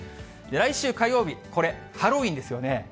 来週火曜日、これ、ハロウィーンですよね。